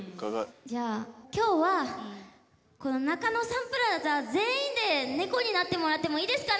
じゃあ今日は中野サンプラザ全員で猫になってもらっていいですか？